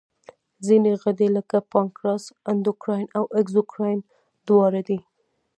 ځینې غدې لکه پانکراس اندوکراین او اګزوکراین دواړه دي.